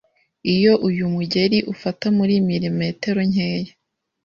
iyo uyu mugeri ufata muri milimetero nkeya